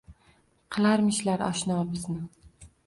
Qilarmishlar oshno bizni